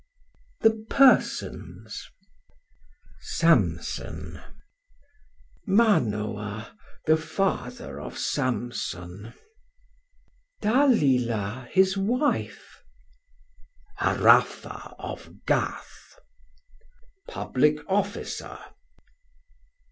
The Persons Samson. Manoa the father of Samson. Dalila his wife. Harapha of Gath. Publick Officer.